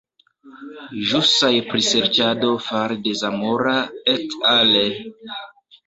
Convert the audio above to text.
Ĵusaj priserĉado fare de Zamora "et al.